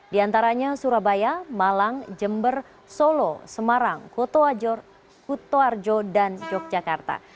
di antaranya surabaya malang jember solo semarang kutoarjo kutoarjo dan yogyakarta